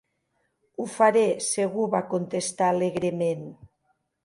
"Ho faré, segur", va contestar alegrement.